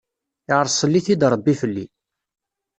Irṣel-it-id Ṛebbi fell-i.